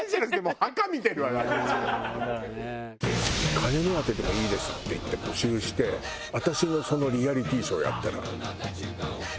金目当てでもいいですって言って募集して私のリアリティショーやったら？面白いね。